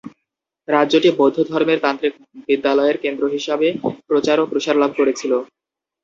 রাজ্যটি বৌদ্ধ ধর্মের তান্ত্রিক বিদ্যালয়ের কেন্দ্র হিসাবে প্রচার ও প্রসার লাভ করেছিল।